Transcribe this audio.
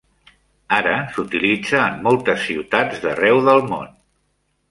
Ara s'utilitza en moltes ciutats d'arreu del món.